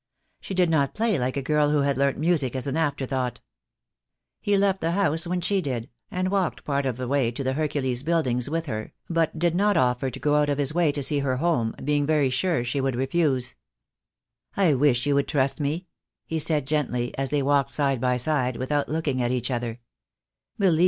She did not play like a girl who had learnt music as an after thought. 38 THE DAY WILL COME. He left the house when she did, and walked part of the way to Hercules Buildings with her, but did not offer to go out of his way to see her home, being very sure she would refuse. "I wish you would trust me," he said gently, as they walked side by side, without looking at each other.